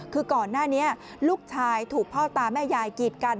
คือก่อนหน้านี้ลูกชายถูกพ่อตาแม่ยายกีดกัน